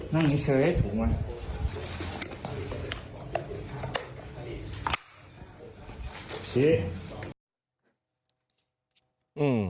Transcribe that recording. นั่งเฉยถูกไหม